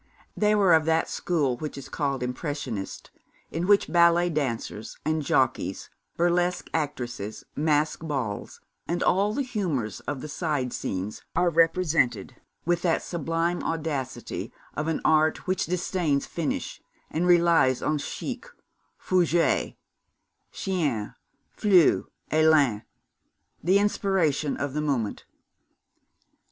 They were of that school which is called Impressionist, in which ballet dancers and jockeys, burlesque actresses, masked balls, and all the humours of the side scenes are represented with the sublime audacity of an art which disdains finish, and relies on chic, fougue, chien, flou, élan, the inspiration of the moment.